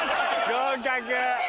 合格。